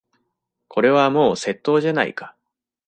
これはもう窃盗じゃないか。